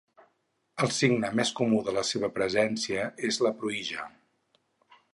El signe més comú de la seva presència és la pruïja.